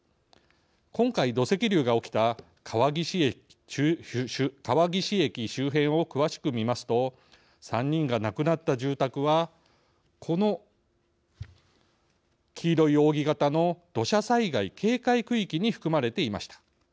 今回、土石流が起きた川岸駅周辺を詳しく見ますと３人が亡くなった住宅はこの黄色い扇型の土砂災害警戒区域に含まれていました。